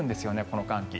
この寒気。